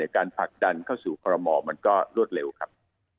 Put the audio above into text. การผลักดันเสร็จเข้าสู่ประหละมันก็รวดเร็วครับ